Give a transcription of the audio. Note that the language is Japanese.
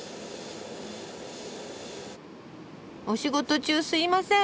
お仕事中すいません。